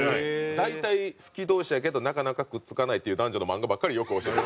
大体好き同士やけどなかなかくっつかないっていう男女の漫画ばっかりよく。